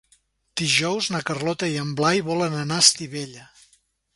Dijous na Carlota i en Blai volen anar a Estivella.